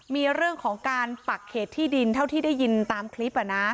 มีเรื่องของการปักเขตที่ดินเท่าที่ได้ยินตามคลิป